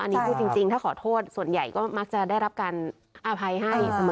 อันนี้พูดจริงถ้าขอโทษส่วนใหญ่ก็มักจะได้รับการอภัยให้เสมอ